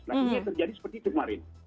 tapi ini terjadi seperti itu kemarin